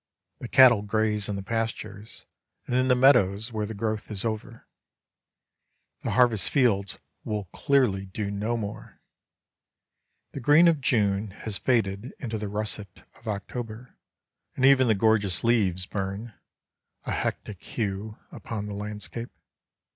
The cattle graze in the pastures, and in the meadows where the growth is over. The harvest fields will clearly do no more. The green of June has faded into the russet of October, and even the gorgeous leaves burn, a hectic hue, upon the landscape.